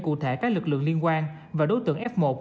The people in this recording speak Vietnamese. cụ thể các lực lượng liên quan và đối tượng f một